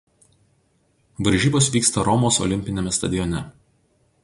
Varžybos vyksta Romos olimpiniame stadione.